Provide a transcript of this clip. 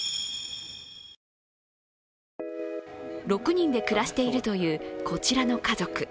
６人で暮らしているというこちらの家族。